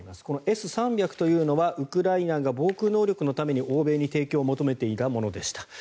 このＳ３００というのはウクライナが防空能力のために欧米に提供を求めていたものでした。